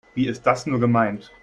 Wie ist das nur gemeint?